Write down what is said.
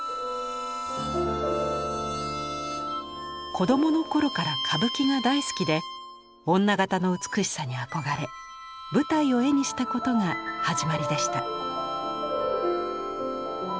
子供の頃から歌舞伎が大好きで女形の美しさに憧れ舞台を絵にしたことが始まりでした。